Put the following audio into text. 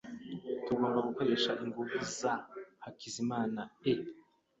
Tugomba gukoresha ingufu za a Hakizimana e.